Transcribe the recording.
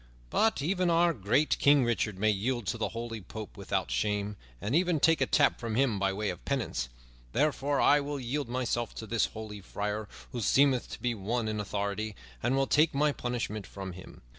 But even our great King Richard may yield to the holy Pope without shame, and even take a tap from him by way of penance; therefore I will yield myself to this holy friar, who seemeth to be one in authority, and will take my punishment from him."